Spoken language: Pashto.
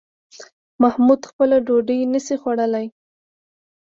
محمود خپله ډوډۍ نشي خوړلی